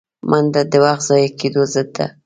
منډه د وخت ضایع کېدو ضد ده